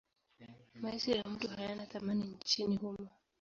Maisha ya mtu hayana thamani nchini humo.